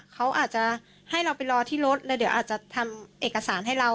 เขาอาจจะให้เราไปรอที่รถแล้วเดี๋ยวอาจจะทำเอกสารให้เรา